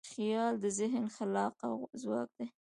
خیال د ذهن خلاقه ځواک دی.